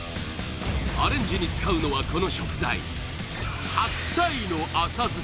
アレンジに使うのはこの食材えっ浅漬け？